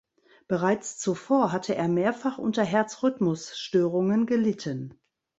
Bereits zuvor hatte er mehrfach unter Herzrhythmusstörungen gelitten.